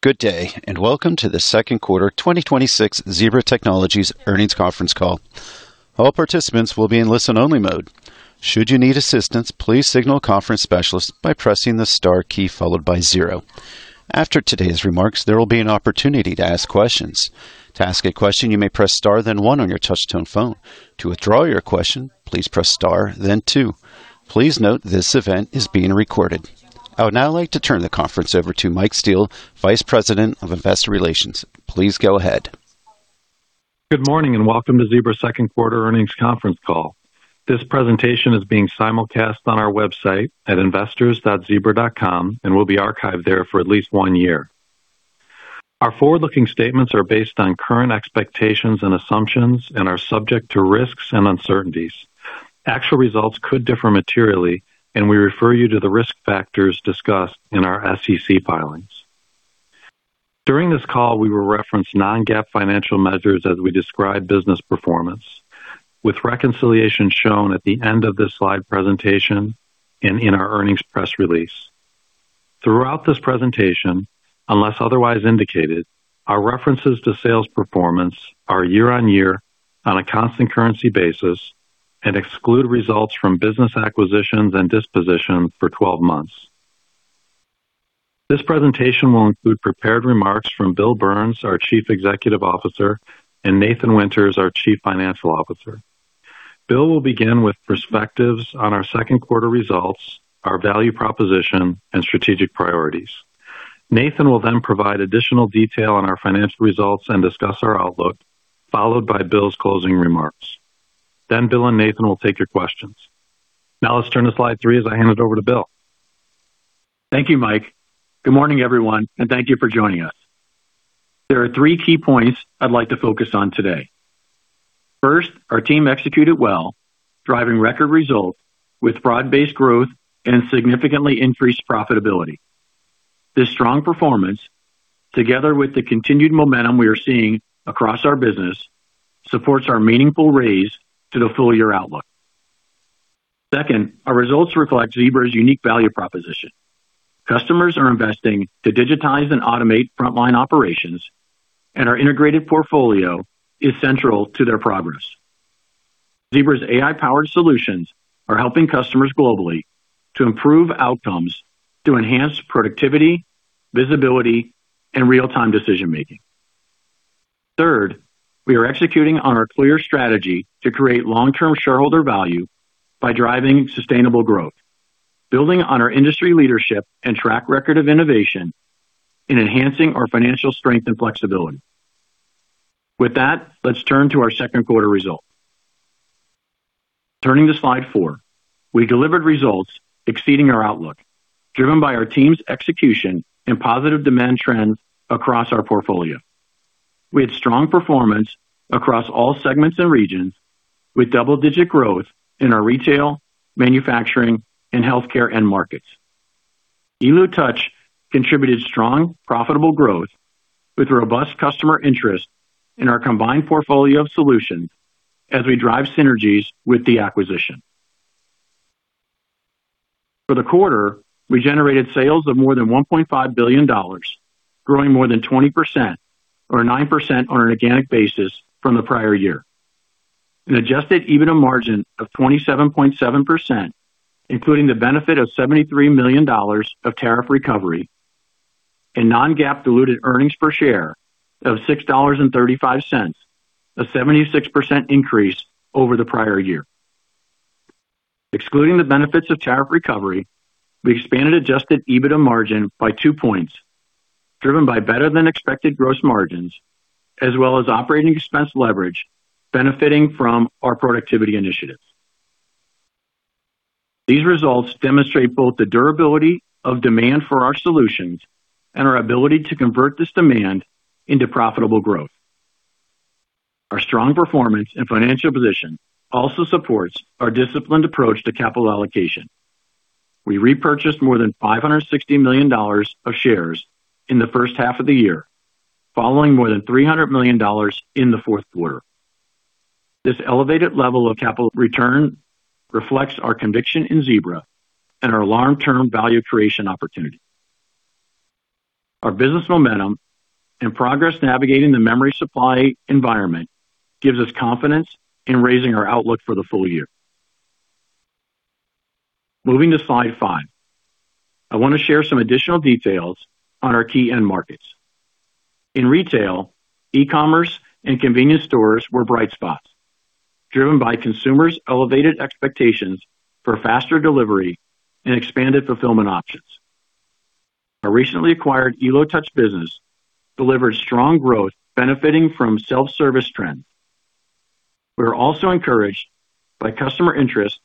Good day, welcome to the second quarter 2026 Zebra Technologies earnings conference call. All participants will be in listen-only mode. Should you need assistance, please signal a conference specialist by pressing the star key, followed by zero. After today's remarks, there will be an opportunity to ask questions. To ask a question, you may press star then one on your touch tone phone. To withdraw your question, please press star then two. Please note this event is being recorded. I would now like to turn the conference over to Mike Steele, Vice President of Investor Relations. Please go ahead. Good morning, welcome to Zebra second quarter earnings conference call. This presentation is being simulcast on our website at investors.zebra.com and will be archived there for at least one year. Our forward-looking statements are based on current expectations and assumptions and are subject to risks and uncertainties. Actual results could differ materially. We refer you to the risk factors discussed in our SEC filings. During this call, we will reference non-GAAP financial measures as we describe business performance, with reconciliation shown at the end of this slide presentation and in our earnings press release. Throughout this presentation, unless otherwise indicated, our references to sales performance are year-on-year on a constant currency basis and exclude results from business acquisitions and dispositions for 12 months. This presentation will include prepared remarks from Bill Burns, our Chief Executive Officer, and Nathan Winters, our Chief Financial Officer. Bill will begin with perspectives on our second quarter results, our value proposition, and strategic priorities. Nathan will then provide additional detail on our financial results and discuss our outlook, followed by Bill's closing remarks. Bill and Nathan will take your questions. Now let's turn to slide three as I hand it over to Bill. Thank you, Mike. Good morning, everyone, thank you for joining us. There are three key points I'd like to focus on today. First, our team executed well, driving record results with broad-based growth and significantly increased profitability. This strong performance, together with the continued momentum we are seeing across our business, supports our meaningful raise to the full-year outlook. Second, our results reflect Zebra's unique value proposition. Customers are investing to digitize and automate frontline operations. Our integrated portfolio is central to their progress. Zebra's AI-powered solutions are helping customers globally to improve outcomes, to enhance productivity, visibility, and real-time decision making. Third, we are executing on our clear strategy to create long-term shareholder value by driving sustainable growth, building on our industry leadership and track record of innovation in enhancing our financial strength and flexibility. With that, let's turn to our second quarter results. Turning to slide four, we delivered results exceeding our outlook, driven by our team's execution and positive demand trends across our portfolio. We had strong performance across all segments and regions, with double-digit growth in our retail, manufacturing, and healthcare end markets. Elo Touch contributed strong, profitable growth with robust customer interest in our combined portfolio of solutions as we drive synergies with the acquisition. For the quarter, we generated sales of more than $1.5 billion, growing more than 20% or 9% on an organic basis from the prior year. An adjusted EBITDA margin of 27.7%, including the benefit of $73 million of tariff recovery and non-GAAP diluted earnings per share of $6.35, a 76% increase over the prior year. Excluding the benefits of tariff recovery, we expanded adjusted EBITDA margin by two points, driven by better than expected gross margins as well as operating expense leverage benefiting from our productivity initiatives. These results demonstrate both the durability of demand for our solutions and our ability to convert this demand into profitable growth. Our strong performance and financial position also supports our disciplined approach to capital allocation. We repurchased more than $560 million of shares in the first half of the year, following more than $300 million in the fourth quarter. This elevated level of capital return reflects our conviction in Zebra and our long-term value creation opportunity. Our business momentum and progress navigating the memory supply environment gives us confidence in raising our outlook for the full year. Moving to slide five, I want to share some additional details on our key end markets. In retail, e-commerce and convenience stores were bright spots, driven by consumers' elevated expectations for faster delivery and expanded fulfillment options. Our recently acquired Elo Touch business delivered strong growth benefiting from self-service trends. We are also encouraged by customer interest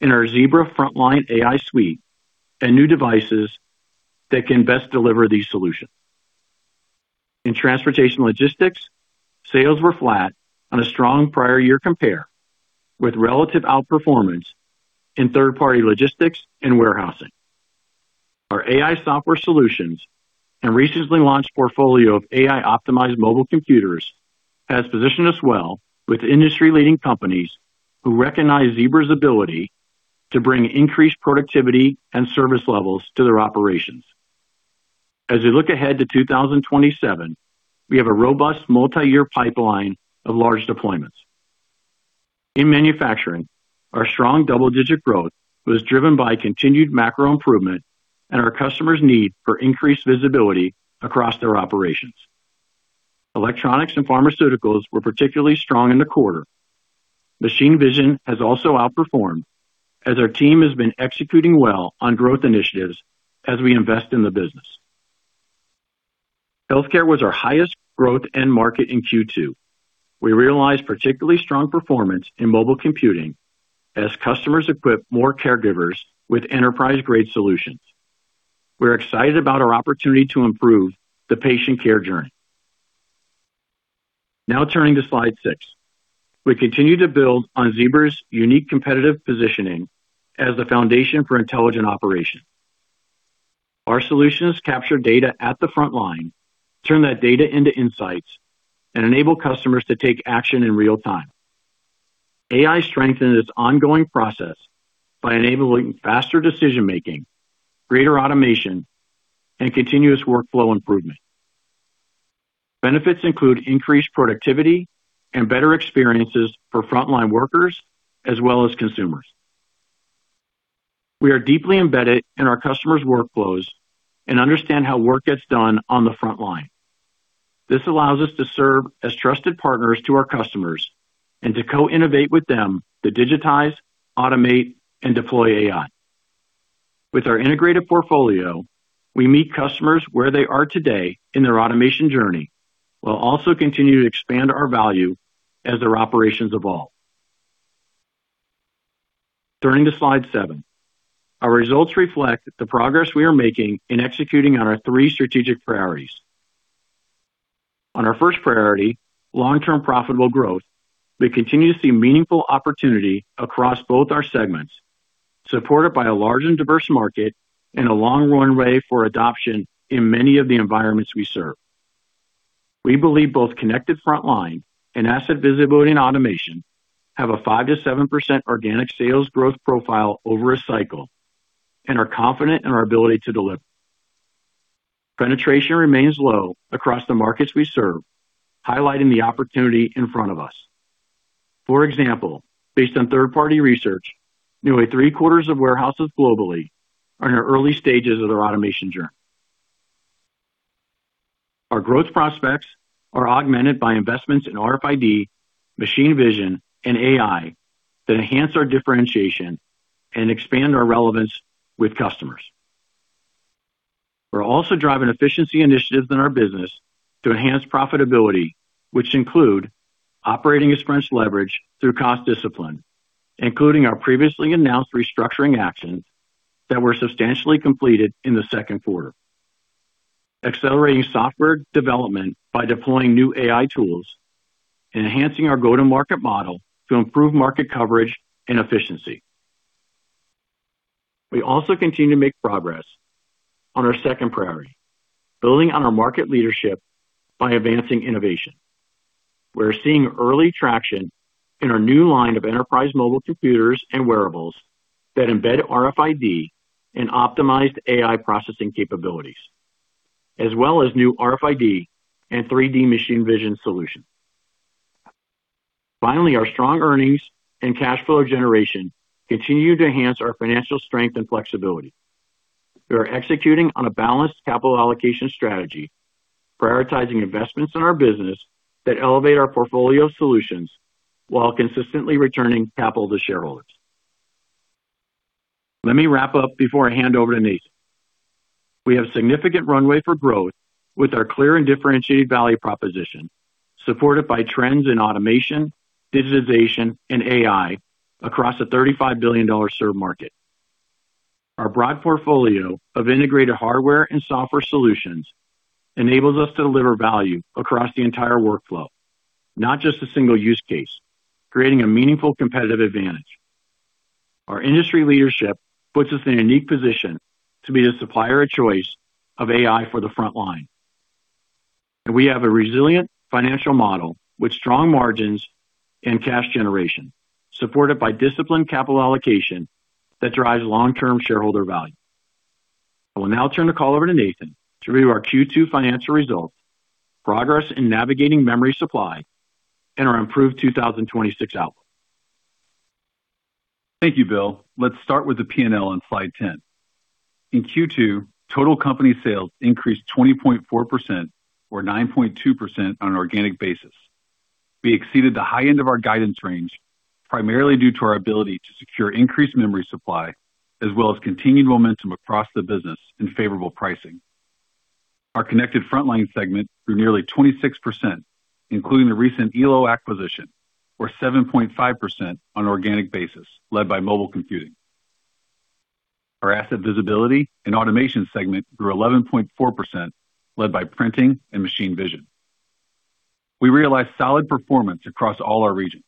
in our Zebra Frontline AI Suite and new devices that can best deliver these transportation & logistics, sales were flat on a strong prior year compare with relative outperformance in third-party logistics and warehousing. Our AI software solutions and recently launched portfolio of AI-optimized mobile computers has positioned us well with industry-leading companies who recognize Zebra's ability to bring increased productivity and service levels to their operations. As we look ahead to 2027, we have a robust multi-year pipeline of large deployments. In manufacturing, our strong double-digit growth was driven by continued macro improvement and our customers' need for increased visibility across their operations. Electronics and pharmaceuticals were particularly strong in the quarter. Machine vision has also outperformed as our team has been executing well on growth initiatives as we invest in the business. Healthcare was our highest growth end market in Q2. We realized particularly strong performance in mobile computing as customers equip more caregivers with enterprise-grade solutions. We're excited about our opportunity to improve the patient care journey. Now turning to slide six, we continue to build on Zebra's unique competitive positioning as the foundation for intelligent operation. Our solutions capture data at the frontline, turn that data into insights, and enable customers to take action in real time. AI strengthened its ongoing process by enabling faster decision-making, greater automation, and continuous workflow improvement. Benefits include increased productivity and better experiences for frontline workers as well as consumers. We are deeply embedded in our customers' workflows and understand how work gets done on the frontline. This allows us to serve as trusted partners to our customers and to co-innovate with them to digitize, automate, and deploy AI. With our integrated portfolio, we meet customers where they are today in their automation journey. We'll also continue to expand our value as their operations evolve. Turning to slide seven. Our results reflect the progress we are making in executing on our three strategic priorities. On our first priority, long-term profitable growth, we continue to see meaningful opportunity across both our segments, supported by a large and diverse market and a long runway for adoption in many of the environments we serve. We believe both Connected Frontline and Asset Visibility & Automation have a 5%-7% organic sales growth profile over a cycle and are confident in our ability to deliver. Penetration remains low across the markets we serve, highlighting the opportunity in front of us. For example, based on third-party research, nearly three-quarters of warehouses globally are in the early stages of their automation journey. Our growth prospects are augmented by investments in RFID, machine vision, and AI that enhance our differentiation and expand our relevance with customers. We're also driving efficiency initiatives in our business to enhance profitability, which include operating expense leverage through cost discipline, including our previously announced restructuring actions that were substantially completed in the second quarter. Accelerating software development by deploying new AI tools and enhancing our go-to-market model to improve market coverage and efficiency. We also continue to make progress on our second priority, building on our market leadership by advancing innovation. We're seeing early traction in our new line of enterprise mobile computers and wearables that embed RFID and optimized AI processing capabilities, as well as new RFID and 3D machine vision solutions. Finally, our strong earnings and cash flow generation continue to enhance our financial strength and flexibility. We are executing on a balanced capital allocation strategy, prioritizing investments in our business that elevate our portfolio solutions while consistently returning capital to shareholders. Let me wrap up before I hand over to Nathan. We have significant runway for growth with our clear and differentiated value proposition, supported by trends in automation, digitization, and AI across a $35 billion served market. Our broad portfolio of integrated hardware and software solutions enables us to deliver value across the entire workflow, not just a single use case, creating a meaningful competitive advantage. Our industry leadership puts us in a unique position to be the supplier of choice of AI for the frontline. We have a resilient financial model with strong margins and cash generation, supported by disciplined capital allocation that drives long-term shareholder value. I will now turn the call over to Nathan to review our Q2 financial results, progress in navigating memory supply, and our improved 2026 outlook. Thank you, Bill. Let's start with the P&L on slide 10. In Q2, total company sales increased 20.4%, or 9.2% on an organic basis. We exceeded the high end of our guidance range, primarily due to our ability to secure increased memory supply, as well as continued momentum across the business and favorable pricing. Our Connected Frontline segment grew nearly 26%, including the recent Elo acquisition, or 7.5% on an organic basis, led by mobile computing. Our Asset Visibility & Automation segment grew 11.4%, led by printing and machine vision. We realized solid performance across all our regions.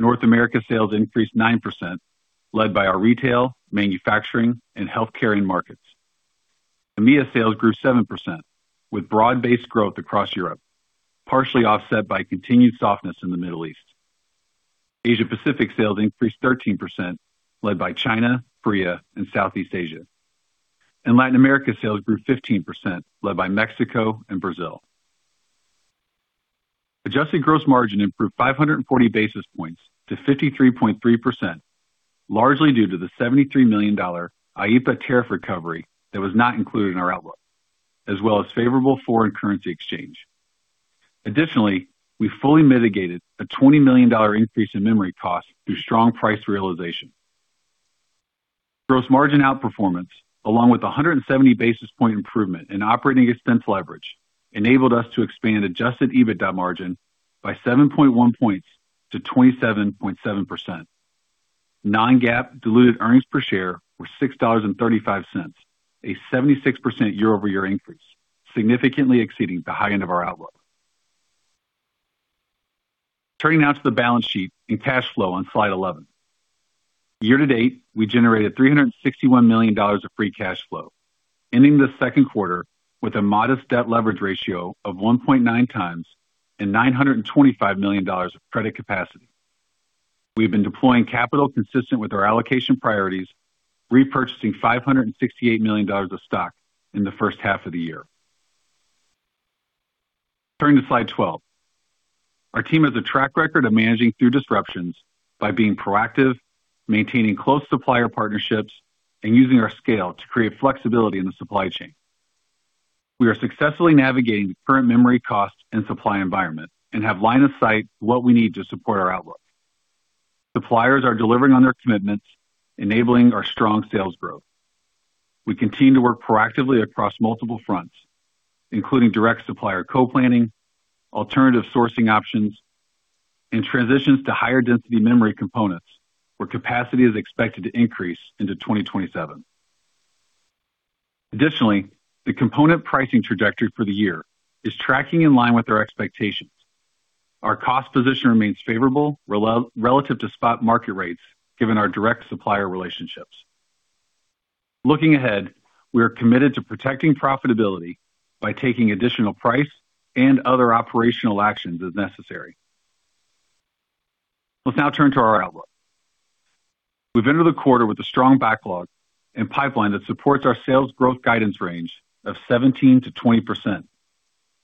North America sales increased 9%, led by our retail, manufacturing, and healthcare end markets. EMEA sales grew 7%, with broad-based growth across Europe, partially offset by continued softness in the Middle East. Asia-Pacific sales increased 13%, led by China, Korea, and Southeast Asia. Latin America sales grew 15%, led by Mexico and Brazil. Adjusted gross margin improved 540 basis points to 53.3%, largely due to the $73 million IEEPA tariff recovery that was not included in our outlook, as well as favorable foreign currency exchange. Additionally, we fully mitigated a $20 million increase in memory costs through strong price realization. Gross margin outperformance, along with 170 basis point improvement in operating expense leverage, enabled us to expand adjusted EBITDA margin by 7.1 points to 27.7%. Non-GAAP diluted earnings per share were $6.35, a 76% year-over-year increase, significantly exceeding the high end of our outlook. Turning now to the balance sheet and cash flow on slide 11. Year-to-date, we generated $361 million of free cash flow, ending the second quarter with a modest debt leverage ratio of 1.9x and $925 million of credit capacity. We've been deploying capital consistent with our allocation priorities, repurchasing $568 million of stock in the first half of the year. Turning to slide 12. Our team has a track record of managing through disruptions by being proactive, maintaining close supplier partnerships, and using our scale to create flexibility in the supply chain. We are successfully navigating the current memory cost and supply environment and have line of sight to what we need to support our outlook. Suppliers are delivering on their commitments, enabling our strong sales growth. We continue to work proactively across multiple fronts, including direct supplier co-planning, alternative sourcing options, and transitions to higher density memory components, where capacity is expected to increase into 2027. Additionally, the component pricing trajectory for the year is tracking in line with our expectations. Our cost position remains favorable relative to spot market rates given our direct supplier relationships. Looking ahead, we are committed to protecting profitability by taking additional price and other operational actions as necessary. Let's now turn to our outlook. We've entered the quarter with a strong backlog and pipeline that supports our sales growth guidance range of 17%-20%,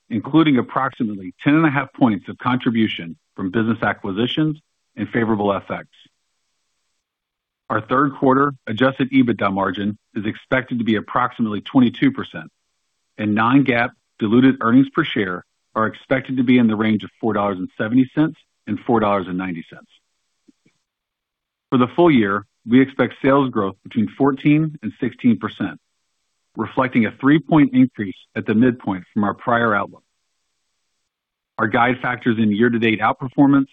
including approximately 10 and a half points of contribution from business acquisitions and favorable FX. Our third quarter adjusted EBITDA margin is expected to be approximately 22%, and non-GAAP diluted earnings per share are expected to be in the range of $4.70 and $4.90. For the full year, we expect sales growth between 14% and 16%, reflecting a three-point increase at the midpoint from our prior outlook. Our guide factors in year-to-date outperformance,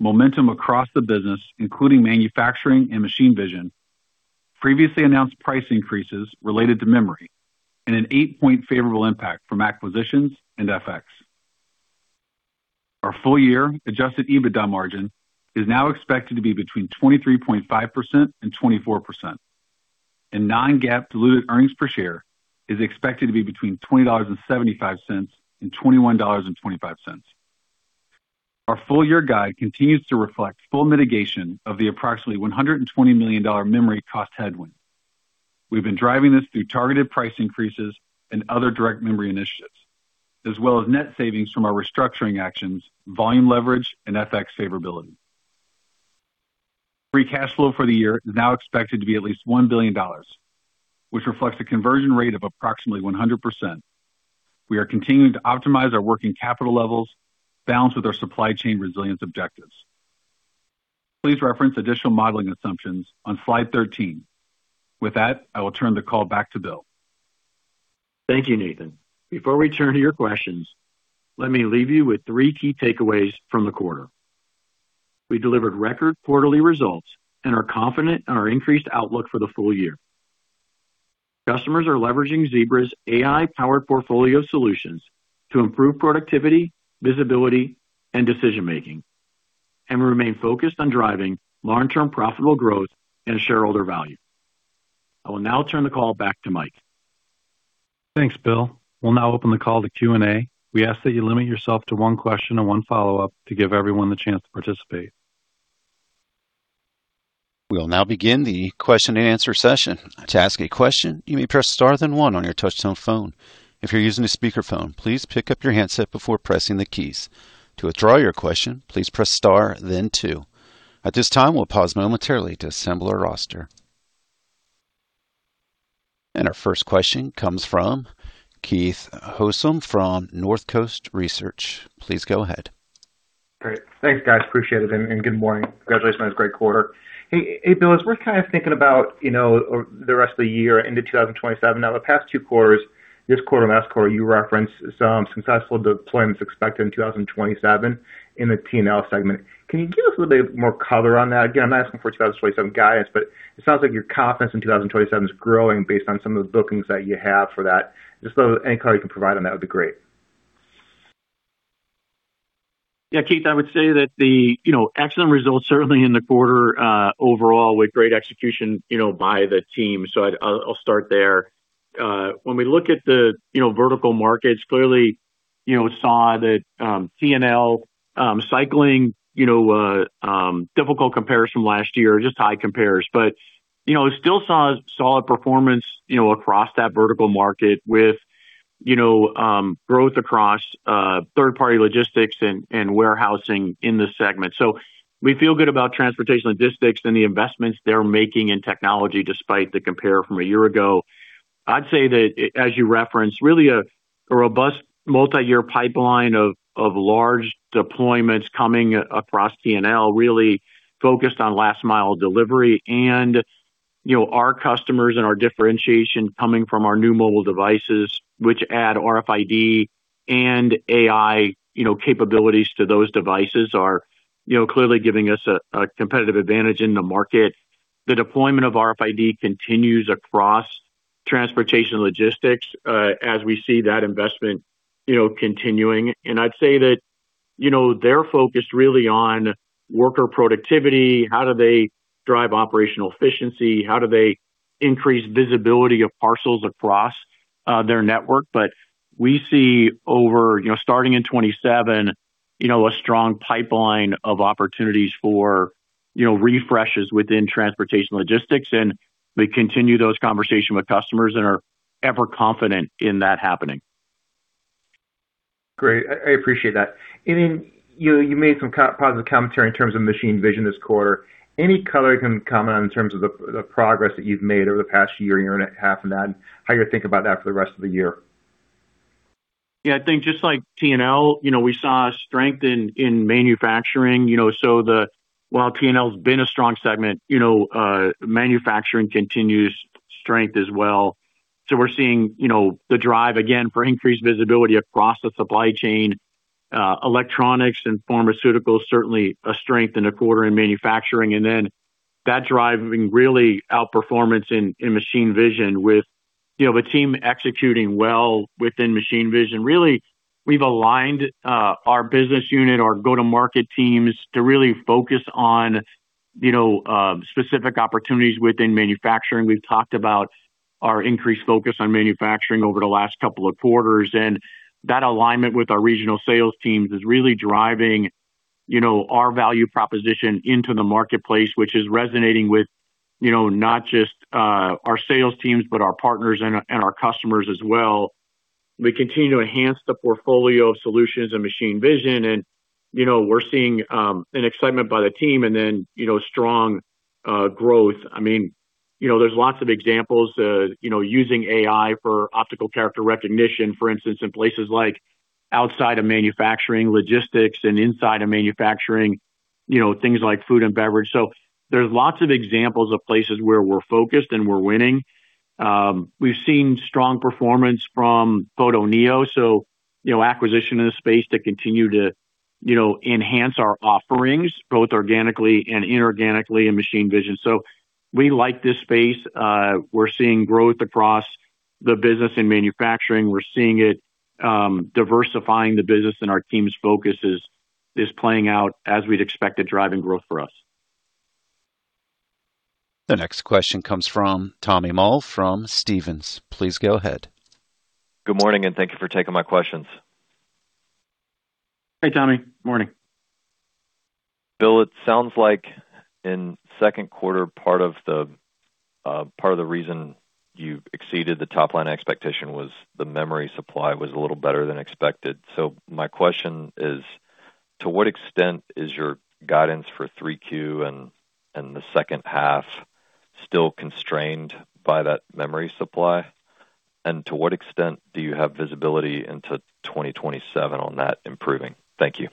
momentum across the business, including manufacturing and machine vision, previously announced price increases related to memory, and an 8-point favorable impact from acquisitions and FX. Our full year adjusted EBITDA margin is now expected to be between 23.5% and 24%, and non-GAAP diluted earnings per share is expected to be between $20.75 and $21.25. Our full year guide continues to reflect full mitigation of the approximately $120 million memory cost headwind. We've been driving this through targeted price increases and other direct memory initiatives, as well as net savings from our restructuring actions, volume leverage, and FX favorability. Free cash flow for the year is now expected to be at least $1 billion, which reflects a conversion rate of approximately 100%. We are continuing to optimize our working capital levels balanced with our supply chain resilience objectives. Please reference additional modeling assumptions on slide 13. With that, I will turn the call back to Bill. Thank you, Nathan. Before we turn to your questions, let me leave you with three key takeaways from the quarter. We delivered record quarterly results and are confident in our increased outlook for the full year. Customers are leveraging Zebra's AI-powered portfolio solutions to improve productivity, visibility, and decision making. We remain focused on driving long-term profitable growth and shareholder value. I will now turn the call back to Mike. Thanks, Bill. We'll now open the call to Q&A. We ask that you limit yourself to one question and one follow-up to give everyone the chance to participate. We will now begin the question-and-answer session. To ask a question, you may press star then one on your touchtone phone. If you're using a speakerphone, please pick up your handset before pressing the keys. To withdraw your question, please press star then two. At this time, we'll pause momentarily to assemble our roster. Our first question comes from Keith Housum from Northcoast Research. Please go ahead. Great. Thanks, guys. Appreciate it. Good morning. Congratulations on this great quarter. Hey, Bill, as we're kind of thinking about the rest of the year into 2027 now the past two quarters, this quarter, last quarter, you referenced some successful deployments expected in 2027 in the T&L segment. Can you give us a little bit more color on that? Again, I'm not asking for 2027 guidance, but it sounds like your confidence in 2027 is growing based on some of the bookings that you have for that. Just any color you can provide on that would be great. Yeah, Keith, I would say that the excellent results certainly in the quarter overall with great execution by the team. I'll start there. When we look at the vertical markets, clearly, we saw that T&L cycling, difficult comparison last year, just high compares. We still saw solid performance across that vertical market with growth across third-party logistics and warehousing in this segment. We feel transportation & logistics and the investments they're making in technology, despite the compare from a year ago. I'd say that, as you referenced, really a robust multi-year pipeline of large deployments coming across T&L really focused on last-mile delivery and our customers and our differentiation coming from our new mobile devices, which add RFID and AI capabilities to those devices are clearly giving us a competitive advantage in the market. The deployment of RFID transportation & logistics, as we see that investment continuing. I'd say that they're focused really on worker productivity. How do they drive operational efficiency? How do they increase visibility of parcels across their network? We see starting in 2027, a strong pipeline of opportunities for transportation & logistics, and we continue those conversation with customers and are ever-confident in that happening. Great. I appreciate that. Then you made some positive commentary in terms of machine vision this quarter. Any color you can comment on in terms of the progress that you've made over the past year and year and a half, and then how you think about that for the rest of the year? I think just like T&L, we saw strength in manufacturing. While T&L's been a strong segment, manufacturing continues strength as well. We're seeing the drive, again, for increased visibility across the supply chain. Electronics and pharmaceuticals certainly a strength in the quarter in manufacturing. That driving really outperformance in machine vision with the team executing well within machine vision. Really, we've aligned our business unit, our go-to-market teams to really focus on specific opportunities within manufacturing. We've talked about our increased focus on manufacturing over the last couple of quarters, and that alignment with our regional sales teams is really driving our value proposition into the marketplace, which is resonating with not just our sales teams, but our partners and our customers as well. We continue to enhance the portfolio of solutions and machine vision. We're seeing an excitement by the team and then strong growth. There's lots of examples, using AI for optical character recognition, for instance, in places like outside of manufacturing, logistics, and inside of manufacturing, things like food and beverage. There's lots of examples of places where we're focused and we're winning. We've seen strong performance from Photoneo, so acquisition in the space to continue to enhance our offerings both organically and inorganically in machine vision. We like this space. We're seeing growth across the business in manufacturing. We're seeing it diversifying the business, and our team's focus is playing out as we'd expect it, driving growth for us. The next question comes from Tommy Moll from Stephens. Please go ahead. Good morning. Thank you for taking my questions. Hey, Tommy. Morning. Bill, it sounds like in second quarter, part of the reason you exceeded the top-line expectation was the memory supply was a little better than expected. My question is: to what extent is your guidance for 3Q and the second half still constrained by that memory supply? To what extent do you have visibility into 2027 on that improving? Thank you.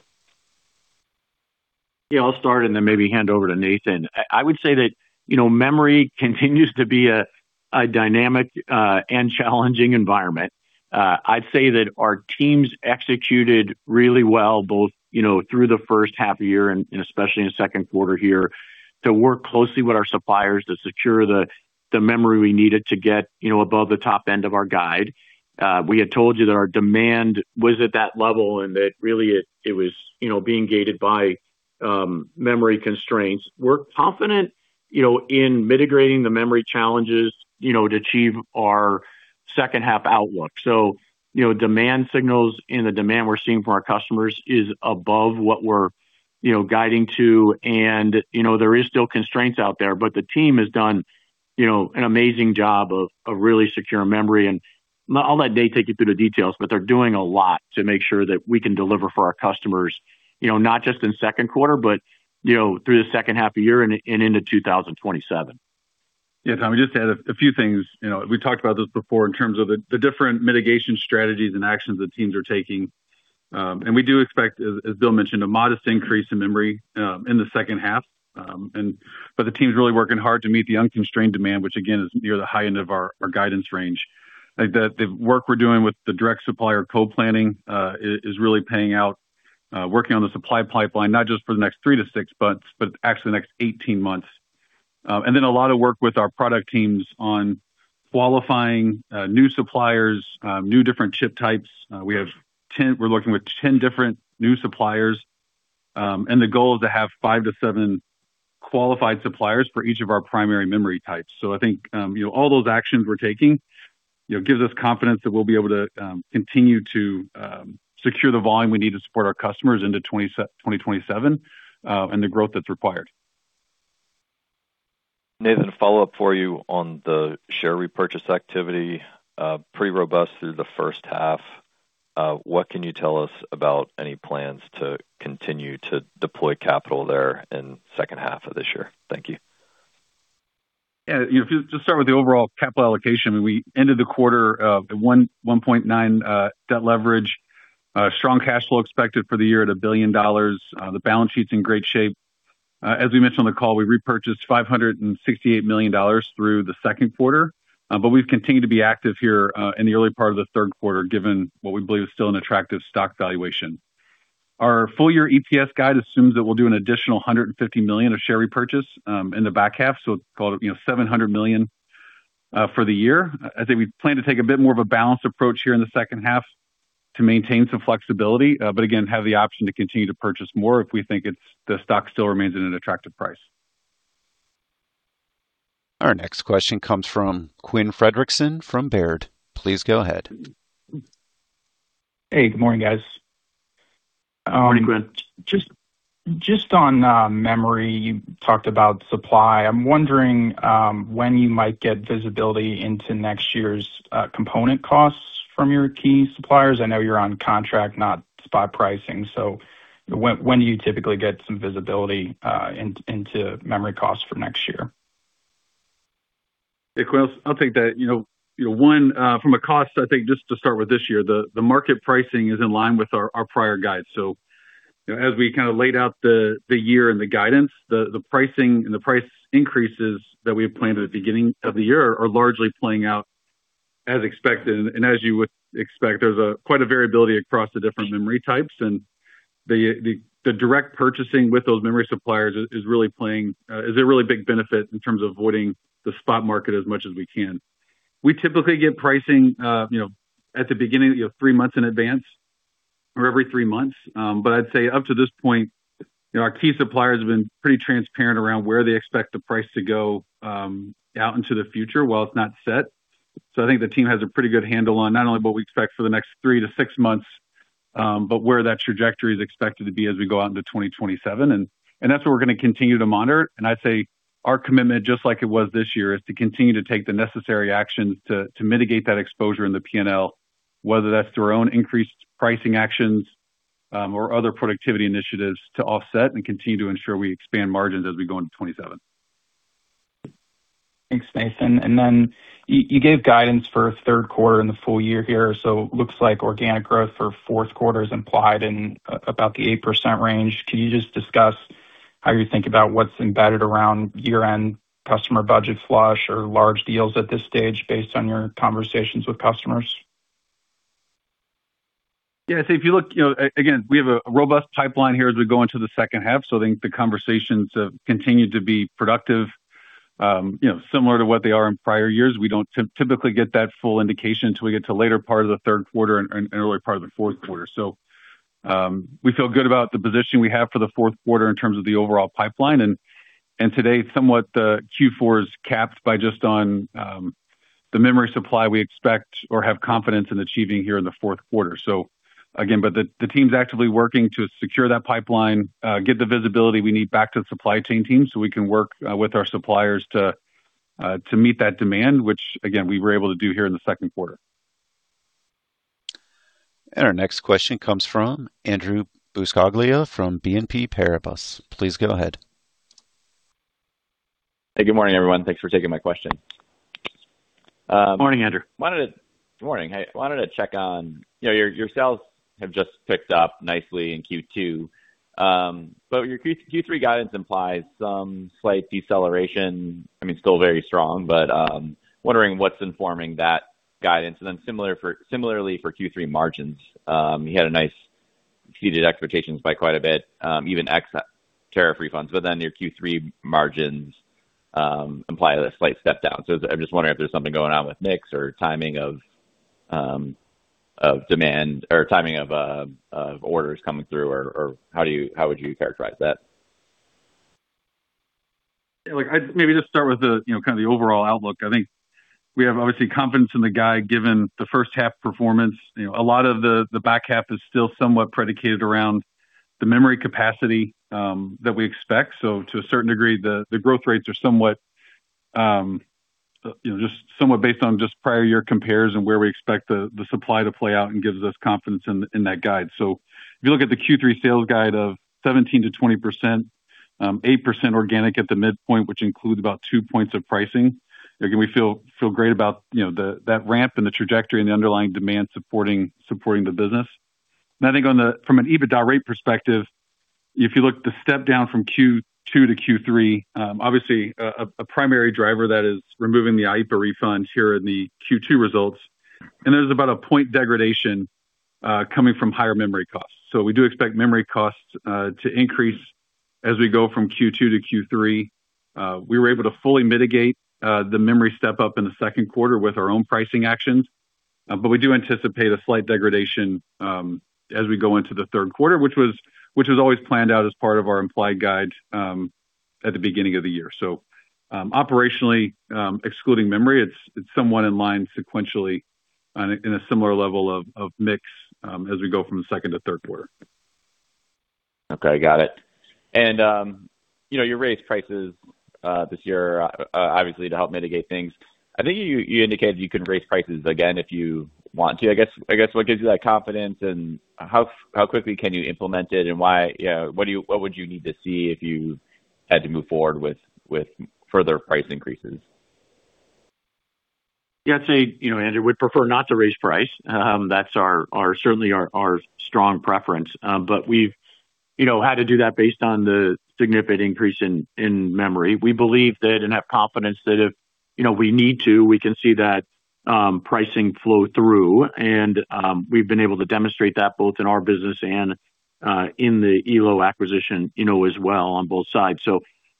I'll start then maybe hand over to Nathan. I would say that memory continues to be a dynamic and challenging environment. I'd say that our teams executed really well, both through the first half of the year and especially in the second quarter here, to work closely with our suppliers to secure the memory we needed to get above the top end of our guide. We had told you that our demand was at that level and that really it was being gated by memory constraints. We're confident in mitigating the memory challenges to achieve our second half outlook. Demand signals and the demand we're seeing from our customers is above what we're guiding to. There is still constraints out there, the team has done an amazing job of really secure memory. I'll let Nate take you through the details, they're doing a lot to make sure that we can deliver for our customers, not just in second quarter, but through the second half of the year and into 2027. Tommy, just to add a few things. We talked about this before in terms of the different mitigation strategies and actions the teams are taking. We do expect, as Bill mentioned, a modest increase in memory in the second half. The team's really working hard to meet the unconstrained demand, which again, is near the high end of our guidance range. I think the work we're doing with the direct supplier co-planning is really paying out, working on the supply pipeline, not just for the next three to six months, but actually the next 18 months. A lot of work with our product teams on qualifying new suppliers, new different chip types. We're working with 10 different new suppliers, and the goal is to have five to seven qualified suppliers for each of our primary memory types. I think all those actions we're taking gives us confidence that we'll be able to continue to secure the volume we need to support our customers into 2027, and the growth that's required. Nathan, a follow-up for you on the share repurchase activity. Pretty robust through the first half. What can you tell us about any plans to continue to deploy capital there in the second half of this year? Thank you. Yeah. If you just start with the overall capital allocation, we ended the quarter at 1.9x debt leverage. Strong cash flow expected for the year at $1 billion. The balance sheet's in great shape. As we mentioned on the call, we repurchased $568 million through the second quarter. We've continued to be active here in the early part of the third quarter, given what we believe is still an attractive stock valuation. Our full-year EPS guide assumes that we'll do an additional $150 million of share repurchase, in the back half. Call it $700 million for the year. I think we plan to take a bit more of a balanced approach here in the second half to maintain some flexibility. Again, have the option to continue to purchase more if we think the stock still remains at an attractive price. Our next question comes from Quinn Fredrickson from Baird. Please go ahead. Hey, good morning, guys. Morning, Quinn. Just on memory, you talked about supply. I'm wondering when you might get visibility into next year's component costs from your key suppliers. I know you're on contract, not spot pricing. When do you typically get some visibility into memory costs for next year? Hey, Quinn. One, from a cost, I think, just to start with this year, the market pricing is in line with our prior guide. As we laid out the year and the guidance, the pricing and the price increases that we had planned at the beginning of the year are largely playing out as expected. As you would expect, there's quite a variability across the different memory types, and the direct purchasing with those memory suppliers is a really big benefit in terms of avoiding the spot market as much as we can. We typically get pricing at the beginning of three months in advance or every three months. I'd say up to this point, our key suppliers have been pretty transparent around where they expect the price to go, out into the future while it's not set. I think the team has a pretty good handle on not only what we expect for the next three to six months, but where that trajectory is expected to be as we go out into 2027. That's what we're going to continue to monitor. I'd say our commitment, just like it was this year, is to continue to take the necessary actions to mitigate that exposure in the P&L, whether that's through our own increased pricing actions or other productivity initiatives to offset and continue to ensure we expand margins as we go into 2027. Thanks, Nathan. You gave guidance for third quarter and the full year here, looks like organic growth for fourth quarter is implied in about the 8% range. Can you just discuss how you think about what's embedded around year-end customer budget flush or large deals at this stage based on your conversations with customers? Yeah. Again, we have a robust pipeline here as we go into the second half, I think the conversations have continued to be productive. Similar to what they are in prior years, we don't typically get that full indication till we get to later part of the third quarter and early part of the fourth quarter. We feel good about the position we have for the fourth quarter in terms of the overall pipeline, and today somewhat the Q4 is capped by just on the memory supply we expect or have confidence in achieving here in the fourth quarter. Again, the team's actively working to secure that pipeline, get the visibility we need back to the supply chain team so we can work with our suppliers to meet that demand, which again, we were able to do here in the second quarter. Our next question comes from Andrew Buscaglia from BNP Paribas. Please go ahead. Hey, good morning, everyone. Thanks for taking my question. Morning, Andrew. Morning. Hey, I wanted to check, your sales have just picked up nicely in Q2. Your Q3 guidance implies some slight deceleration. I mean, still very strong, but I'm wondering what's informing that guidance and then similarly for Q3 margins. You had a nice, exceeded expectations by quite a bit, even ex tariff refunds, but then your Q3 margins imply a slight step down. I'm just wondering if there's something going on with mix or timing of demand, or timing of orders coming through, or how would you characterize that? Yeah. Maybe just start with the overall outlook. I think we have obviously confidence in the guide given the first half performance. A lot of the back half is still somewhat predicated around the memory capacity that we expect. To a certain degree, the growth rates are somewhat based on just prior year compares and where we expect the supply to play out and gives us confidence in that guide. If you look at the Q3 sales guide of 17%-20%, 8% organic at the midpoint, which includes about two points of pricing, again, we feel great about that ramp and the trajectory and the underlying demand supporting the business. I think from an EBITDA rate perspective, if you look at the step down from Q2 to Q3, obviously a primary driver that is removing the IEEPA refunds here in the Q2 results. There's about a point degradation coming from higher memory costs. We do expect memory costs to increase as we go from Q2 to Q3. We were able to fully mitigate the memory step-up in the second quarter with our own pricing actions. We do anticipate a slight degradation as we go into the third quarter, which was always planned out as part of our implied guide at the beginning of the year. Operationally, excluding memory, it's somewhat in line sequentially in a similar level of mix as we go from the second to third quarter. Okay. Got it. You raised prices this year, obviously, to help mitigate things. I think you indicated you can raise prices again if you want to. I guess, what gives you that confidence, and how quickly can you implement it, and what would you need to see if you had to move forward with further price increases? Yeah. I'd say, Andrew, we'd prefer not to raise price. That's certainly our strong preference. We've had to do that based on the significant increase in memory. We believe that, and have confidence that if we need to, we can see that pricing flow through. We've been able to demonstrate that both in our business and in the Elo acquisition as well on both sides.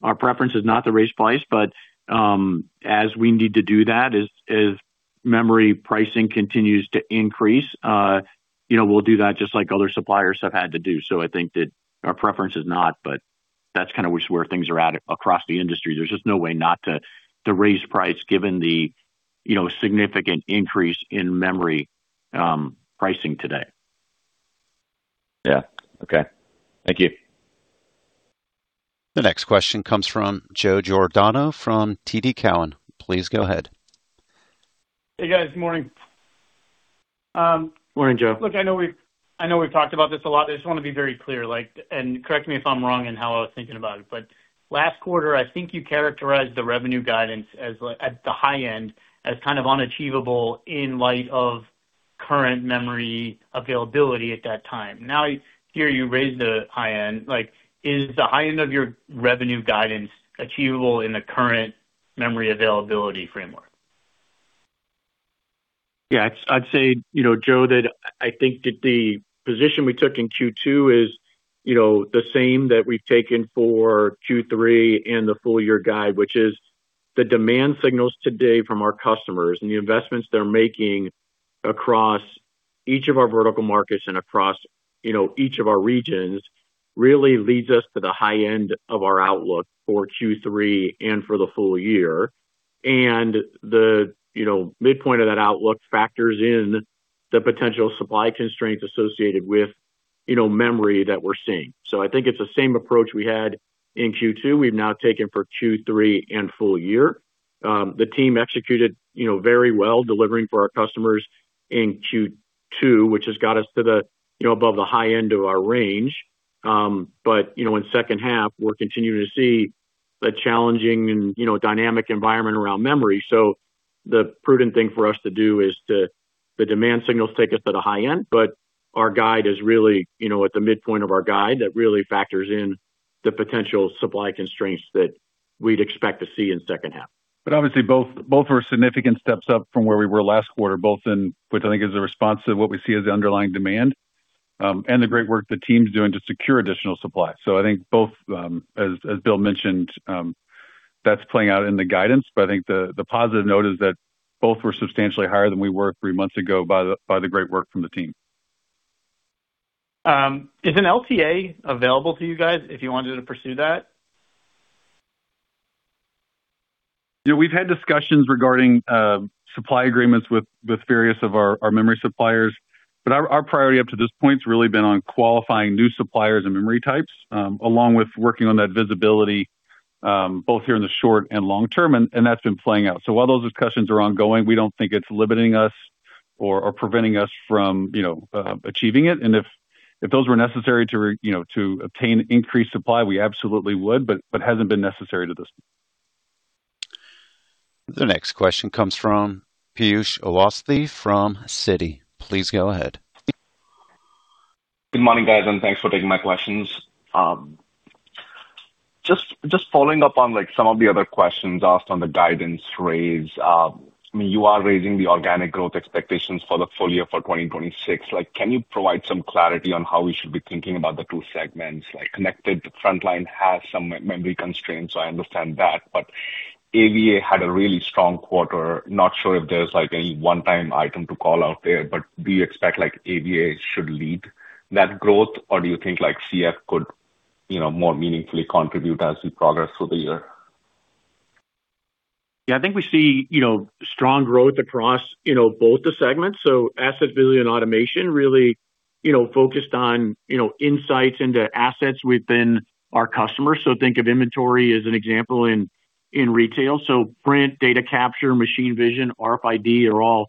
Our preference is not to raise price, but as we need to do that, as memory pricing continues to increase, we'll do that just like other suppliers have had to do. I think that our preference is not, but that's kind of just where things are at across the industry. There's just no way not to raise price given the significant increase in memory pricing today. Yeah. Okay. Thank you. The next question comes from Joe Giordano from TD Cowen. Please go ahead. Hey, guys. Morning. Morning, Joe. Look, I know we've talked about this a lot. I just want to be very clear, and correct me if I'm wrong in how I was thinking about it. Last quarter, I think you characterized the revenue guidance at the high end as kind of unachievable in light of current memory availability at that time. Now, here you raised the high end. Is the high end of your revenue guidance achievable in the current memory availability framework? Yeah. I'd say, Joe, that I think that the position we took in Q2 is the same that we've taken for Q3 and the full year guide, which is the demand signals today from our customers and the investments they're making across each of our vertical markets and across each of our regions really leads us to the high end of our outlook for Q3 and for the full year. The midpoint of that outlook factors in the potential supply constraints associated with memory that we're seeing. I think it's the same approach we had in Q2. We've now taken for Q3 and full year. The team executed very well delivering for our customers in Q2, which has got us above the high end of our range. In second half, we're continuing to see the challenging and dynamic environment around memory. The prudent thing for us to do is the demand signals take us to the high end, but our guide is really at the midpoint of our guide that really factors in the potential supply constraints that we'd expect to see in second half. Obviously, both were significant steps up from where we were last quarter, both in which I think is a response to what we see as the underlying demand, and the great work the team's doing to secure additional supply. I think both, as Bill mentioned, that's playing out in the guidance. I think the positive note is that both were substantially higher than we were three months ago by the great work from the team. Is an LTA available to you guys if you wanted to pursue that? Yeah. Our priority up to this point has really been on qualifying new suppliers and memory types, along with working on that visibility, both here in the short and long term, and that's been playing out. While those discussions are ongoing, we don't think it's limiting us or preventing us from achieving it. If those were necessary to obtain increased supply, we absolutely would, but hasn't been necessary to this point. The next question comes from Piyush Avasthy from Citi. Please go ahead. Good morning, guys, and thanks for taking my questions. Just following up on some of the other questions asked on the guidance raise. You are raising the organic growth expectations for the full year for 2026. Can you provide some clarity on how we should be thinking about the two segments? Connected Frontline has some memory constraints, I understand that. AVA had a really strong quarter. Not sure if there's any one-time item to call out there, do you expect AVA should lead that growth, or do you think CF could more meaningfully contribute as we progress through the year? I think we see strong growth across both segments. Asset Visibility & Automation really focused on insights into assets within our customers. Think of inventory as an example in retail. Print, data capture, machine vision, RFID are all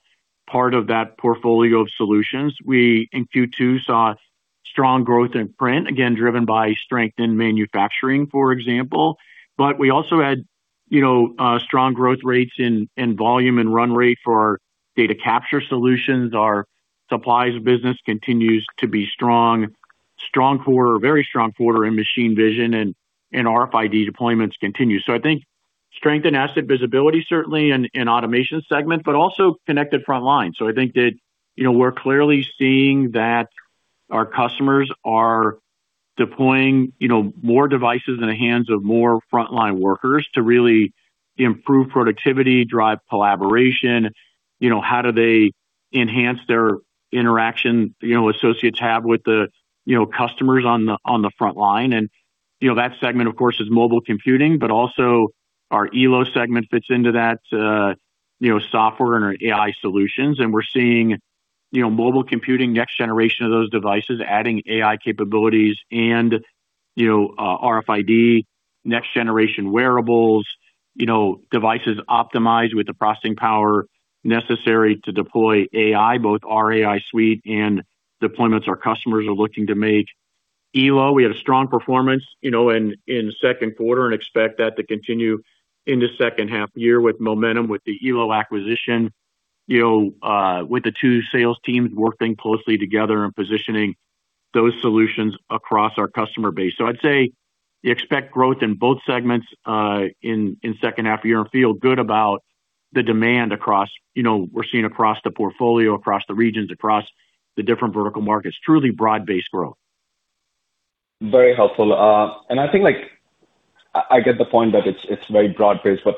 part of that portfolio of solutions. We, in Q2, saw strong growth in print, again, driven by strength in manufacturing, for example. We also had strong growth rates in volume and run rate for our data capture solutions. Our supplies business continues to be strong. Very strong quarter in machine vision, and RFID deployments continue. Strength and Asset Visibility & Automation segment, but also Connected Frontline. I think that we're clearly seeing that our customers are deploying more devices in the hands of more frontline workers to really improve productivity, drive collaboration, how do they enhance their interaction associates have with the customers on the frontline. That segment, of course, is mobile computing, but also our Elo segment fits into that software and our AI solutions. We're seeing mobile computing, next generation of those devices, adding AI capabilities and RFID, next generation wearables, devices optimized with the processing power necessary to deploy AI, both our AI Suite and deployments our customers are looking to make. Elo, we had a strong performance in the second quarter and expect that to continue in the second half year with momentum with the Elo acquisition, with the two sales teams working closely together and positioning those solutions across our customer base. I'd say expect growth in both segments in second half of the year and feel good about the demand we're seeing across the portfolio, across the regions, across the different vertical markets. Truly broad-based growth. Very helpful. I think I get the point that it's very broad-based, but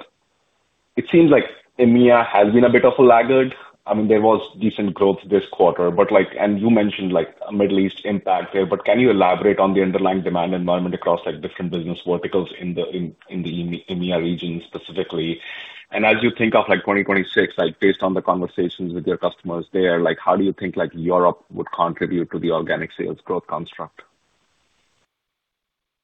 it seems like EMEA has been a bit of a laggard. There was decent growth this quarter, and you mentioned a Middle East impact there, can you elaborate on the underlying demand environment across different business verticals in the EMEA region specifically? As you think of 2026, based on the conversations with your customers there, how do you think Europe would contribute to the organic sales growth construct? Yeah.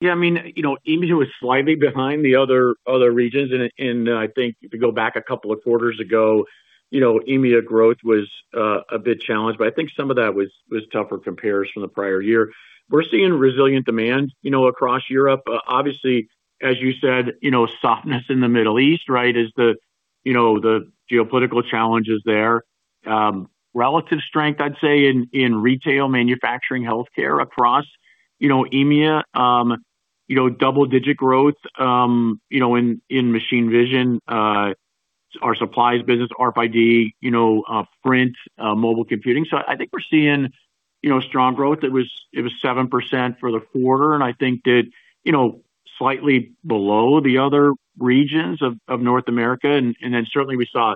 EMEA was slightly behind the other regions. I think if you go back a couple of quarters ago, EMEA growth was a bit challenged. I think some of that was tougher compares from the prior year. We're seeing resilient demand across Europe. Obviously, as you said, softness in the Middle East is the geopolitical challenges there. Relative strength, I'd say, in retail, manufacturing, healthcare across EMEA. Double-digit growth in machine vision, our supplies business, RFID, print, mobile computing. I think we're seeing strong growth. It was 7% for the quarter. I think did slightly below the other regions of North America. Certainly we saw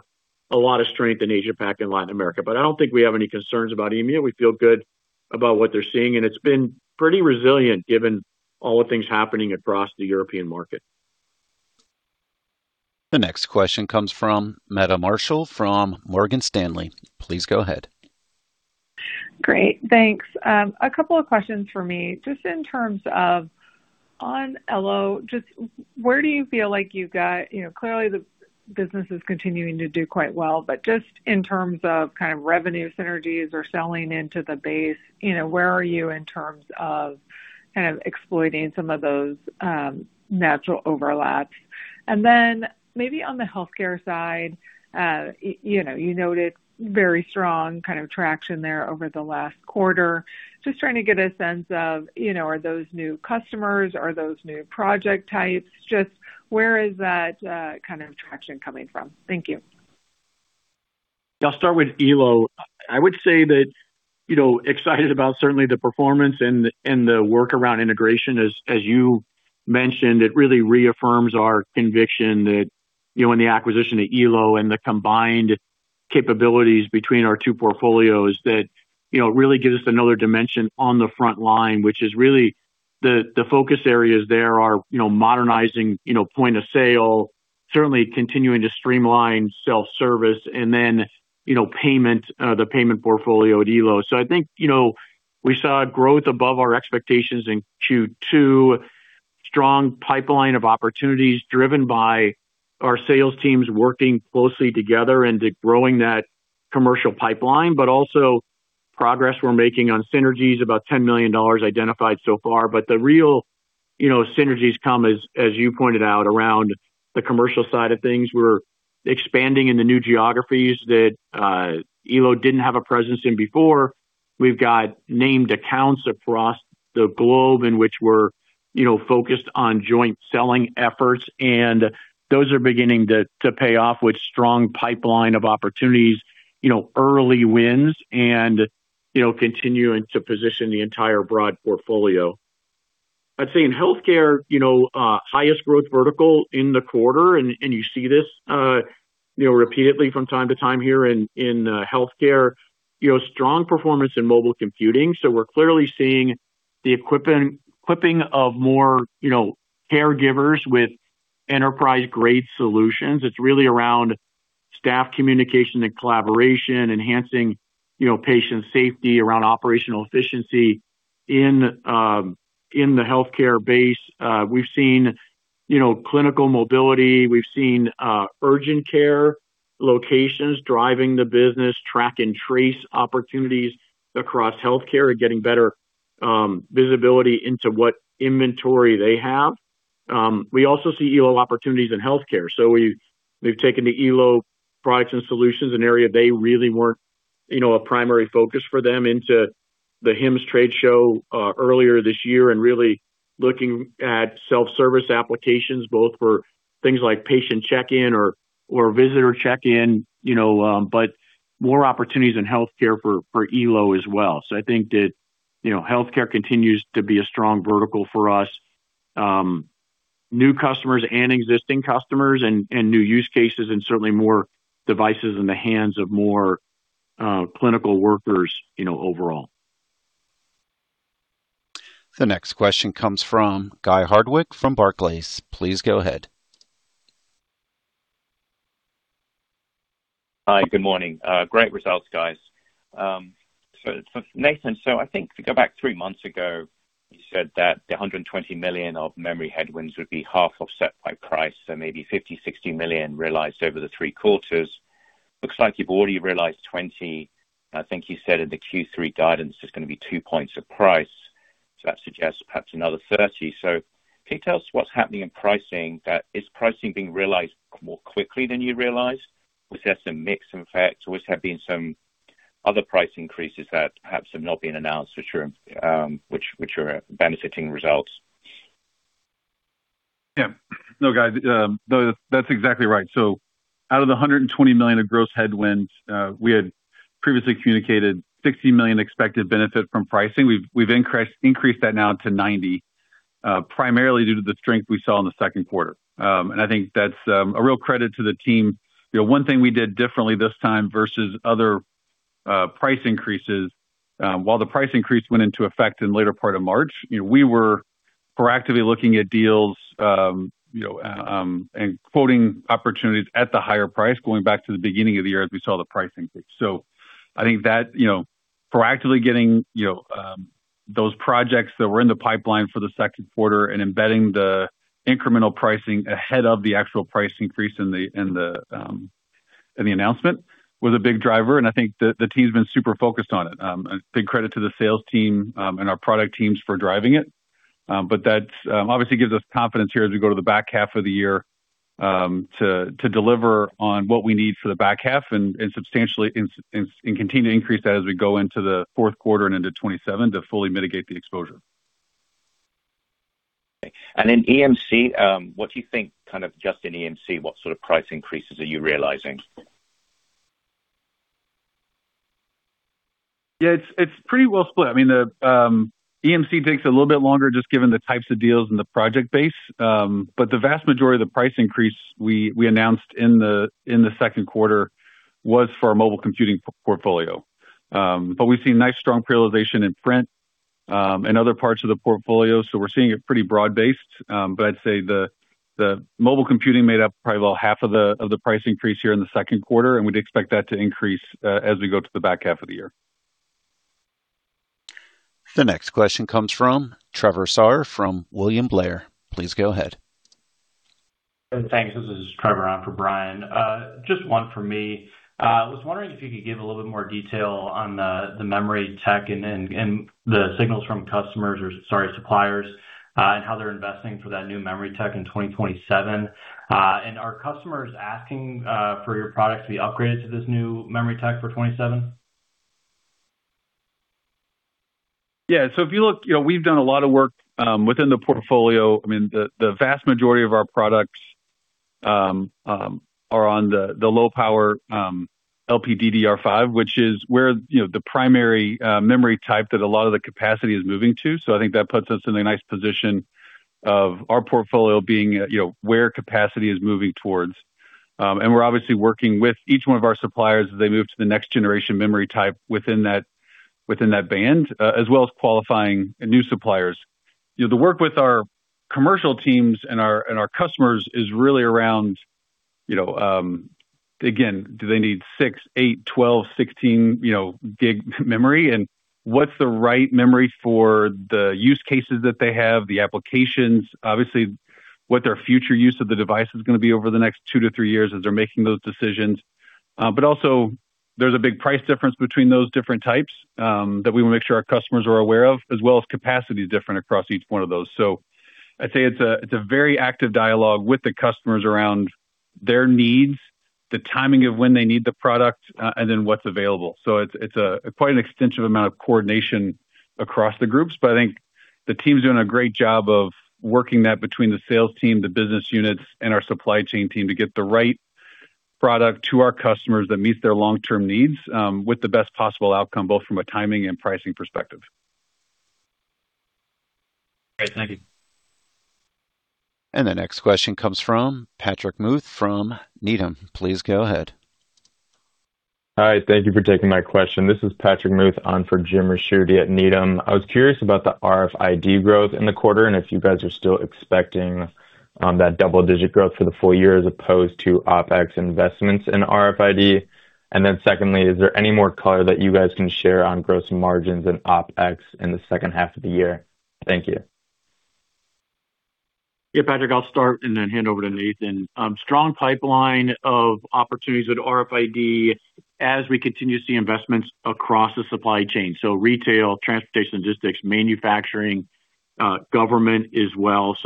a lot of strength in Asia-Pac and Latin America. I don't think we have any concerns about EMEA. We feel good about what they're seeing. It's been pretty resilient given all the things happening across the European market. The next question comes from Meta Marshall from Morgan Stanley. Please go ahead. Great. Thanks. A couple of questions for me. In terms of on Elo, where do you feel like you've got, clearly the business is continuing to do quite well, but in terms of kind of revenue synergies or selling into the base, where are you in terms of kind of exploiting some of those natural overlaps? Maybe on the healthcare side, you noted very strong kind of traction there over the last quarter. Trying to get a sense of are those new customers, are those new project types? Where is that kind of traction coming from? Thank you. I'll start with Elo. I would say that excited about certainly the performance and the work around integration. As you mentioned, it really reaffirms our conviction that in the acquisition of Elo and the combined capabilities between our two portfolios, that really gives us another dimension on the frontline, which is really the focus areas there are modernizing point of sale, certainly continuing to streamline self-service and then the payment portfolio at Elo. I think we saw growth above our expectations in Q2. Strong pipeline of opportunities driven by our sales teams working closely together into growing that commercial pipeline, but also progress we're making on synergies. About $10 million identified so far. The real synergies come, as you pointed out, around the commercial side of things. We're expanding in the new geographies that Elo didn't have a presence in before. We've got named accounts across the globe in which we're focused on joint selling efforts, and those are beginning to pay off with strong pipeline of opportunities, early wins, and continuing to position the entire broad portfolio. I'd say in healthcare, highest growth vertical in the quarter, and you see this repeatedly from time to time here in healthcare. Strong performance in mobile computing. We're clearly seeing the equipping of more caregivers with enterprise-grade solutions. It's really around staff communication and collaboration, enhancing patient safety, around operational efficiency in the healthcare base. We've seen clinical mobility. We've seen urgent care locations driving the business. Track and trace opportunities across healthcare and getting better visibility into what inventory they have. We also see Elo opportunities in healthcare. We've taken the Elo products and solutions, an area they really weren't a primary focus for them into the HIMSS trade show earlier this year, and really looking at self-service applications both for things like patient check-in or visitor check-in, but more opportunities in healthcare for Elo as well. I think that healthcare continues to be a strong vertical for us. New customers and existing customers and new use cases, and certainly more devices in the hands of more clinical workers overall. The next question comes from Guy Hardwick from Barclays. Please go ahead. Hi. Good morning. Great results, guys. Nathan, I think if we go back three months ago, you said that the $120 million of memory headwinds would be half offset by price, so maybe $50 million-$60 million realized over the three quarters. Looks like you've already realized $20 million. I think you said in the Q3 guidance it's going to be two points of price. That suggests perhaps another $30 million. Can you tell us what's happening in pricing? Is pricing being realized more quickly than you realized? Was there some mix effect, or was there been some other price increases that perhaps have not been announced, which are benefiting results? Yeah. No, Guy, that's exactly right. Out of the $120 million of gross headwinds, we had previously communicated $60 million expected benefit from pricing. We've increased that now to $90 million, primarily due to the strength we saw in the second quarter. I think that's a real credit to the team. One thing we did differently this time versus other price increases, while the price increase went into effect in the later part of March, we were proactively looking at deals and quoting opportunities at the higher price, going back to the beginning of the year as we saw the price increase. I think that proactively getting those projects that were in the pipeline for the second quarter and embedding the incremental pricing ahead of the actual price increase in the announcement was a big driver, and I think the team's been super focused on it. A big credit to the sales team, and our product teams for driving it. That obviously gives us confidence here as we go to the back half of the year to deliver on what we need for the back half and substantially and continue to increase that as we go into the fourth quarter and into 2027 to fully mitigate the exposure. Okay. In EMC, what do you think, kind of just in EMC, what sort of price increases are you realizing? Yeah, it's pretty well split. EMC takes a little bit longer, just given the types of deals and the project base. The vast majority of the price increase we announced in the second quarter was for our mobile computing portfolio. We've seen nice strong prioritization in print, and other parts of the portfolio, so we're seeing it pretty broad-based. I'd say the mobile computing made up probably about half of the price increase here in the second quarter, and we'd expect that to increase as we go to the back half of the year. The next question comes from Trevor Saar from William Blair. Please go ahead. Thanks. This is Trevor on for Brian. Just one for me. I was wondering if you could give a little bit more detail on the memory tech and the signals from customers or, sorry, suppliers, and how they're investing for that new memory tech in 2027. Are customers asking for your product to be upgraded to this new memory tech for 2027? Yeah. If you look, we've done a lot of work within the portfolio. The vast majority of our products are on the low power LPDDR5, which is where the primary memory type that a lot of the capacity is moving to. I think that puts us in a nice position of our portfolio being where capacity is moving towards. We're obviously working with each one of our suppliers as they move to the next generation memory type within that band, as well as qualifying new suppliers. The work with our commercial teams and our customers is really around, again, do they need 6, 8, 12, 16 GB memory? What's the right memory for the use cases that they have, the applications, obviously, what their future use of the device is going to be over the next two to three years as they're making those decisions. Also, there's a big price difference between those different types, that we want to make sure our customers are aware of, as well as capacity is different across each one of those. I'd say it's a very active dialogue with the customers around their needs, the timing of when they need the product, and then what's available. It's quite an extensive amount of coordination across the groups, but I think the team's doing a great job of working that between the sales team, the business units, and our supply chain team to get the right product to our customers that meets their long-term needs, with the best possible outcome, both from a timing and pricing perspective. Great. Thank you. The next question comes from Patrick Muth from Needham. Please go ahead. Hi. Thank you for taking my question. This is Patrick Muth on for Jim Ricchiuti at Needham. I was curious about the RFID growth in the quarter and if you guys are still expecting that double-digit growth for the full year as opposed to OpEx investments in RFID. Secondly, is there any more color that you guys can share on gross margins and OpEx in the second half of the year? Thank you. Patrick, I'll start and then hand over to Nathan. Strong pipeline of opportunities with RFID as we continue to see investments across the supply chain. Retail, transportation & logistics, manufacturing, government as well.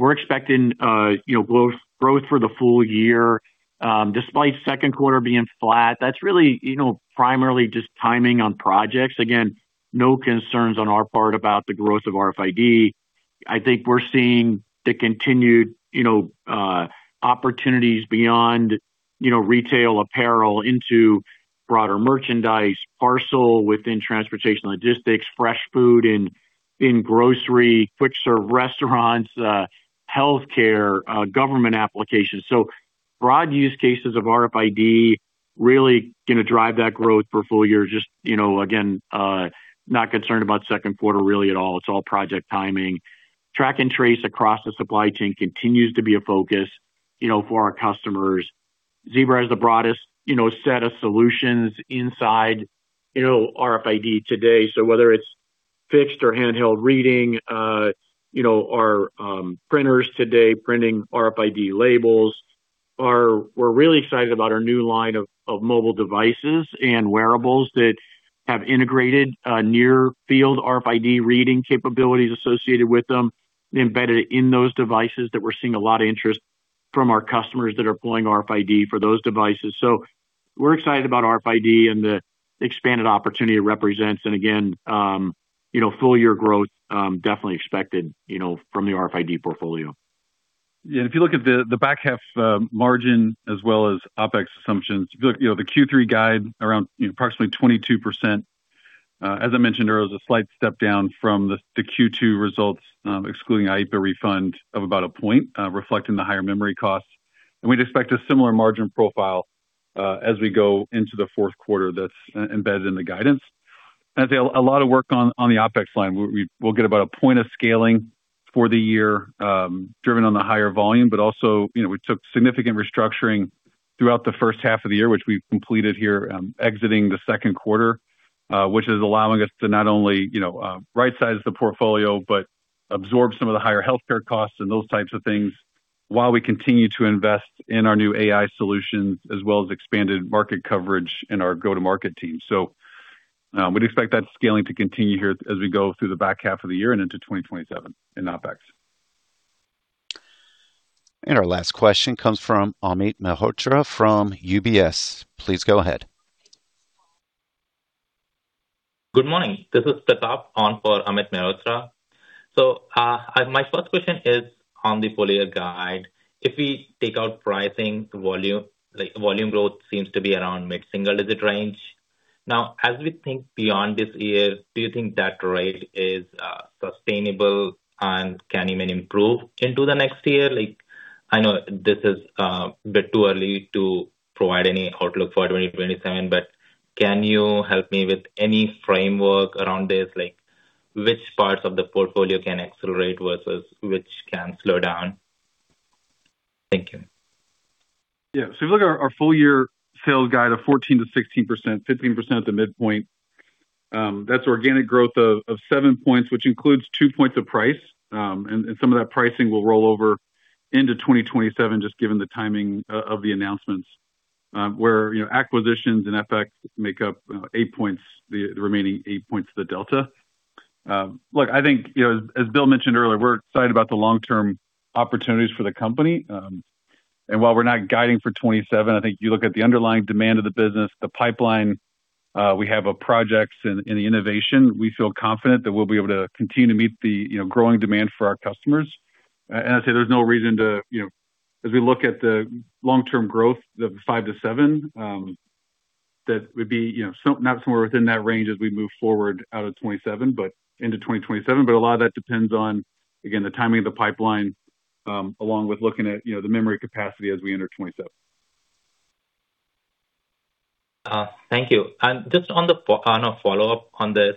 We're expecting growth for the full year, despite second quarter being flat. That's primarily just timing on projects. No concerns on our part about the growth of RFID. I think we're seeing the continued opportunities beyond retail apparel into broader merchandise, parcel transportation & logistics, fresh food in grocery, quick serve restaurants, healthcare, government applications. Broad use cases of RFID going to drive that growth for a full year. Not concerned about second quarter at all. It's all project timing. Track and trace across the supply chain continues to be a focus for our customers. Zebra has the broadest set of solutions inside RFID today. Whether it's fixed or handheld reading, our printers today printing RFID labels. We're excited about our new line of mobile devices and wearables that have integrated near field RFID reading capabilities associated with them, embedded in those devices that we're seeing a lot of interest from our customers that are pulling RFID for those devices. We're excited about RFID and the expanded opportunity it represents, full year growth, definitely expected from the RFID portfolio. If you look at the back half margin as well as OpEx assumptions, the Q3 guide around approximately 22%. As I mentioned earlier, it was a slight step down from the Q2 results, excluding IEEPA refund of about one point, reflecting the higher memory costs. We'd expect a similar margin profile, as we go into the fourth quarter that's embedded in the guidance. A lot of work on the OpEx line, we'll get about one point of scaling for the year, driven on the higher volume, but also, we took significant restructuring throughout the first half of the year, which we've completed here, exiting the second quarter, which is allowing us to not only right size the portfolio, but absorb some of the higher healthcare costs and those types of things while we continue to invest in our new AI solutions as well as expanded market coverage in our go-to-market team. We'd expect that scaling to continue here as we go through the back half of the year and into 2027 in OpEx. Our last question comes from Amit Mehrotra from UBS. Please go ahead. Good morning. This is Pratap on for Amit Mehrotra. My first question is on the full year guide. If we take out pricing volume, like volume growth seems to be around mid-single digit range. As we think beyond this year, do you think that rate is sustainable and can even improve into the next year? I know this is a bit too early to provide any outlook for 2027, but can you help me with any framework around this, like which parts of the portfolio can accelerate versus which can slow down? Thank you. If you look at our full year sales guide of 14%-16%, 15% at the midpoint, that's organic growth of 7 points, which includes 2 points of price. Some of that pricing will roll over into 2027, just given the timing of the announcements. Where acquisitions and FX make up 8 points, the remaining 8 points of the delta. Look, I think, as Bill mentioned earlier, we're excited about the long-term opportunities for the company. While we're not guiding for 2027, I think you look at the underlying demand of the business, the pipeline, we have a projects and the innovation, we feel confident that we'll be able to continue to meet the growing demand for our customers. As we look at the long-term growth of the five to seven, that would be somewhere within that range as we move forward out of 2027, but into 2027. A lot of that depends on, again, the timing of the pipeline, along with looking at the memory capacity as we enter 2027. Thank you. Just on a follow-up on this,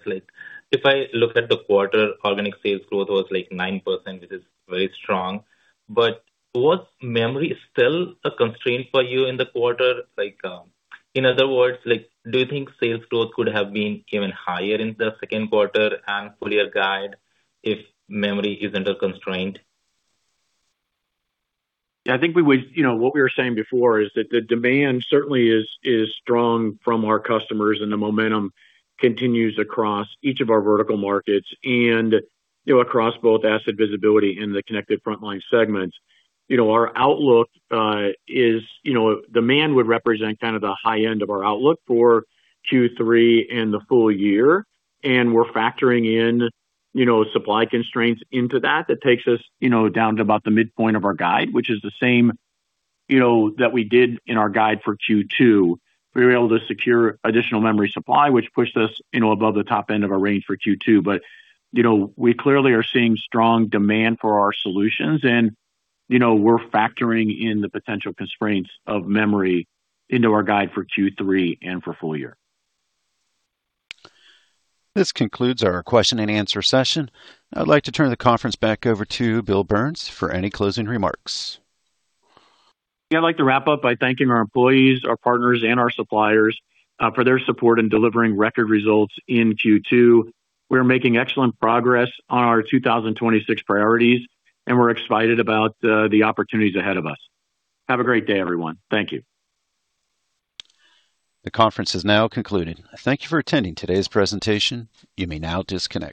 if I look at the quarter, organic sales growth was like 9%, which is very strong. Was memory still a constraint for you in the quarter? In other words, do you think sales growth could have been even higher in the second quarter and full year guide if memory isn't a constraint? I think what we were saying before is that the demand certainly is strong from our customers, and the momentum continues across each of our vertical markets and across both Asset Visibility in the Connected Frontline segments. Our outlook is, demand would represent kind of the high end of our outlook for Q3 and the full year, and we're factoring in supply constraints into that. That takes us down to about the midpoint of our guide, which is the same that we did in our guide for Q2. We were able to secure additional memory supply, which pushed us above the top end of our range for Q2. We clearly are seeing strong demand for our solutions, and we're factoring in the potential constraints of memory into our guide for Q3 and for full year. This concludes our question-and-answer session. I'd like to turn the conference back over to Bill Burns for any closing remarks. I'd like to wrap up by thanking our employees, our partners, and our suppliers, for their support in delivering record results in Q2. We're making excellent progress on our 2026 priorities. We're excited about the opportunities ahead of us. Have a great day, everyone. Thank you. The conference is now concluded. Thank you for attending today's presentation. You may now disconnect.